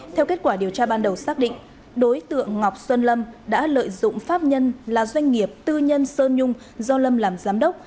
theo kết quả điều tra ban đầu xác định đối tượng ngọc xuân lâm đã lợi dụng pháp nhân là doanh nghiệp tư nhân sơn nhung do lâm làm giám đốc